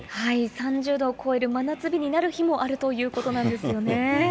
３０度を超える真夏日になる日もあるということなんですよね。